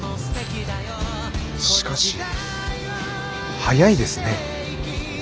しかし速いですね足。